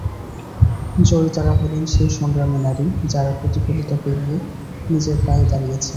জয়িতারা হলেন সেই সংগ্রামী নারী, যাঁরা প্রতিকূলতা পেরিয়ে নিজের পায়ে দাঁড়িয়েছেন।